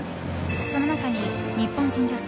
その中に日本人女性